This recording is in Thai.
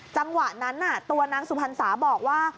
จังหวะนั้นตัวนางสุพรรษาบอกว่า